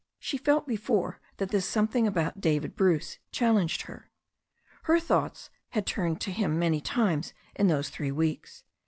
She had felt before this that something about David Bruce challenged her. Her thoughts had turned to him many times in those three weeks.